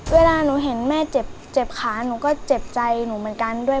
เวลาหนูเห็นแม่เจ็บขาหนูก็เจ็บใจหนูเหมือนกันด้วย